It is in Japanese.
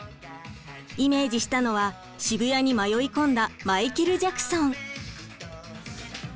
イメージしたのは渋谷に迷い込んだマイケル・ジャクソン。